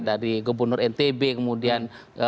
dari gubernur ntb kemudian